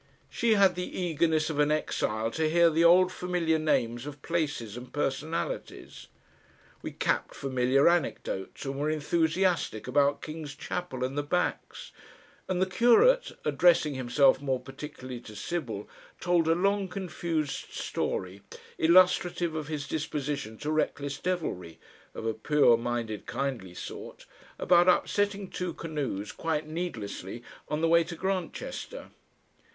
She had the eagerness of an exile to hear the old familiar names of places and personalities. We capped familiar anecdotes and were enthusiastic about Kings' Chapel and the Backs, and the curate, addressing himself more particularly to Sibyl, told a long confused story illustrative of his disposition to reckless devilry (of a pure minded kindly sort) about upsetting two canoes quite needlessly on the way to Grantchester.